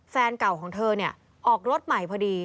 แฟนเก่าของเธอเนี่ยออกรถใหม่พอดี